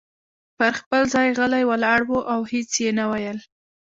پر خپل ځای غلی ولاړ و او هیڅ یې نه ویل.